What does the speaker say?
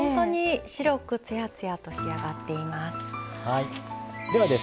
白くつやつやと仕上がっています。